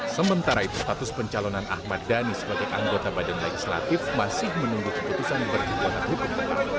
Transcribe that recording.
sementara itu status pencalonan ahmad dhani sebagai anggota badan legislatif masih menunggu keputusan berkekuatan hukum